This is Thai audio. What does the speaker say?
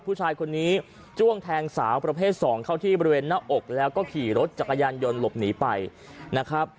ผู้ชายคนนี้จ้วงแทงสาวประเภทสองเข้าที่บริเวณหน้าอกแล้วก็ขี่รถจักรยานยนต์หลบหนีไปนะครับ